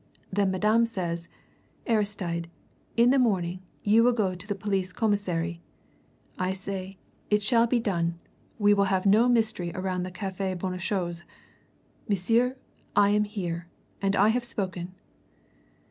Then Madame says, 'Aristide, in the morning, you will go to the police commissary,' I say 'It shall be done we will have no mystery around the Cafe Bonnechose.' Monsieur, I am here and I have spoken!"